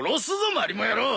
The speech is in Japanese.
マリモ野郎！